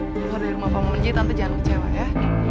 keluar dari rumah pak momenji tante jangan kecewa ya